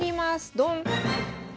ドン！